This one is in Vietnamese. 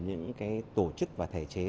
những tổ chức và thể chế